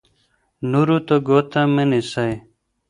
نورو ته ګوته مه نیسئ.